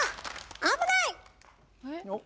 危ない！